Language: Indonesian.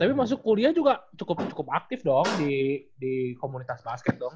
tapi masuk kuliah juga cukup cukup aktif dong di komunitas basket dong